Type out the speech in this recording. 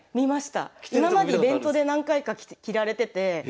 今までイベントで何回か着られてて。